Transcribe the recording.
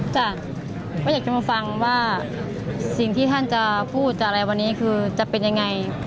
จ้ะก็อยากจะมาฟังว่าสิ่งที่ท่านจะพูดจะอะไรวันนี้คือจะเป็นยังไง